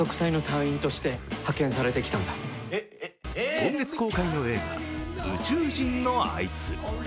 今月公開の映画「宇宙人のあいつ」。